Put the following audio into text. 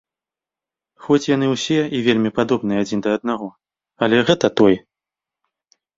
Хоць яны ўсе і вельмі падобны адзін да аднаго, але гэта той!